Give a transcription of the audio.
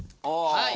はい。